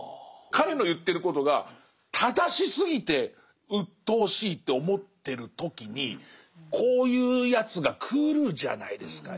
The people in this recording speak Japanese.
彼の言ってることが正しすぎてうっとうしいと思ってる時にこういうやつが来るじゃないですか。